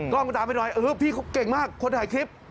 กล้องตามไปหน่อยเออพี่เขาเก่งมากคนถ่ายคลิป